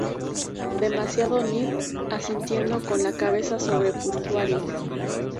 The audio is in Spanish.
Demasiado nid-asintiendo con la cabeza sobre portuario.